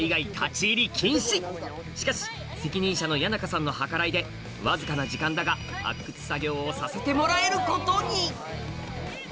しかし責任者のヤナカさんの計らいでわずかな時間だが発掘作業をさせてもらえることに！